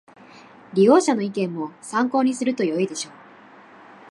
利用者の意見も参考にするとよいでしょう